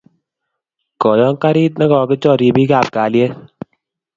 koyon garit ne kokichor ribiik ab kalyet